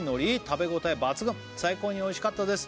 食べ応え抜群最高においしかったです